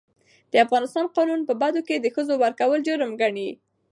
د افغانستان قانون په بدو کي د ښځو ورکول جرم ګڼي.